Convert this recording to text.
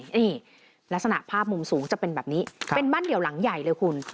นี่ลักษณะภาพมุมสูงจะเป็นแบบนี้เป็นบ้านเดี่ยวหลังใหญ่เลยคุณ